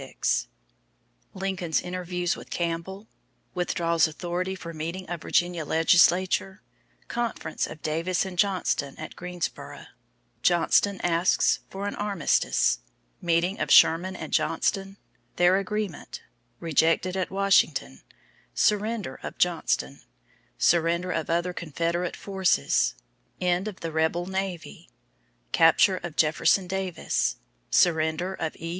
XXXVI Lincoln's Interviews with Campbell Withdraws Authority for Meeting of Virginia Legislature Conference of Davis and Johnston at Greensboro Johnston Asks for an Armistice Meeting of Sherman and Johnston Their Agreement Rejected at Washington Surrender of Johnston Surrender of other Confederate Forces End of the Rebel Navy Capture of Jefferson Davis Surrender of E.